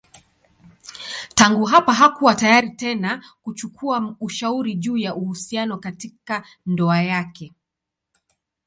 Tangu hapa hakuwa tayari tena kuchukua ushauri juu ya uhusiano katika ndoa yake.